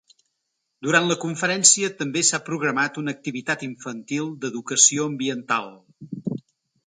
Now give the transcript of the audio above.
Durant la conferència també s’ha programat una activitat infantil d’educació ambiental.